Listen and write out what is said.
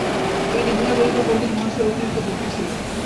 এই নিধিরামের উপর পণ্ডিতমহাশয়ের অতিরিক্ত ভক্তি ছিল।